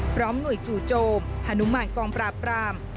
พร้อมหน่วยจู่โจมฮนุมานกองปราบปราม